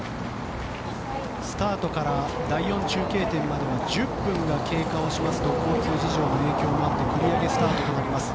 スタートから第４中継点まで１０分が経過しますと交通事情への影響もあって繰り上げスタートとなります。